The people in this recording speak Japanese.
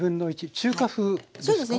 中華風ですか？